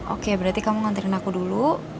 oke berarti kamu ngantriin aku dulu